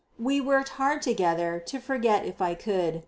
We worked hard together, to forget if I could.